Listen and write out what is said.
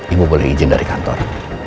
ibu boleh izin dari kantor